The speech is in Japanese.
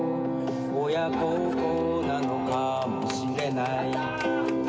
「親孝行なのかもしれない」